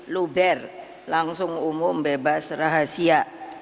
luber langsung umum bebas rahasia